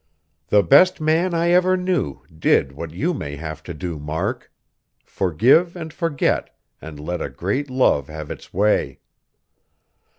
The best man I ever knew did what you may have to do, Mark. Forgive and forget, and let a great love have its way!"